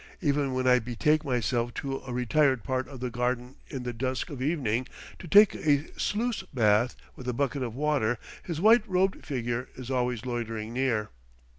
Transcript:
Even when I betake myself to a retired part of the garden in the dusk of evening to take a sluice bath with a bucket of water, his white robed figure is always loitering near.